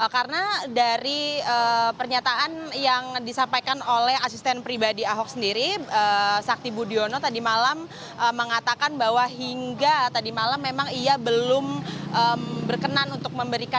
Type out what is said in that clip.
karena dari pernyataan yang disampaikan oleh asisten pribadi ahok sendiri sakti budiono tadi malam mengatakan bahwa hingga tadi malam memang ia belum berkenan untuk memberikan